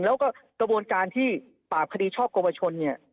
แล้วก็กระบวนการที่ปราบคดีช่อกวชนเนี่ย